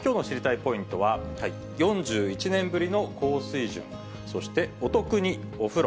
ポイントは、４１年ぶりの高水準、そしてお得にお風呂。